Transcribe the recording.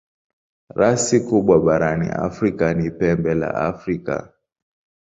Rasi kubwa barani Afrika ni Pembe la Afrika.